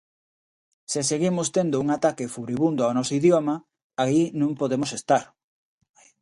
Se seguimos tendo un ataque furibundo ao noso idioma, aí non podemos estar.